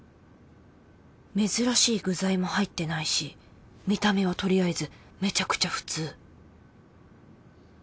珍しい具材も入ってないし見た目はとりあえずめちゃくちゃ普通